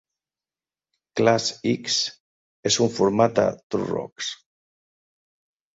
ClassX és un format True Rock.